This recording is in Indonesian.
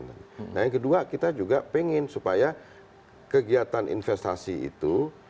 nah yang kedua kita juga pengen supaya kegiatan investasi itu